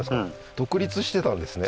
独立してたんですね